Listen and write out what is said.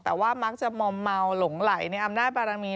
แต่ว่ามักจะมอมเมาหลงไหลในอำนาจบารมี